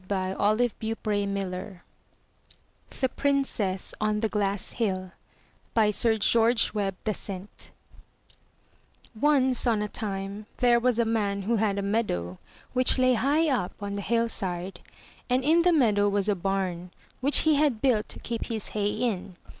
51 M Y BOOK HOUSE THE PRINCESS ON THE GLASS HILL* Sir George Webb Dasent ONCE on a time there was a man who had a meadow, which lay high up on the hill side, and in the meadow was a bam, which he had built to keep his hay in.